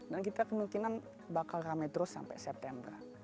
dan kita kemungkinan bakal ramai terus sampai september